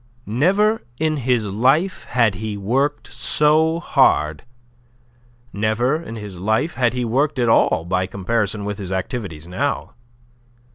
Never in his life had he worked so hard; never in his life had he worked at all by comparison with his activities now.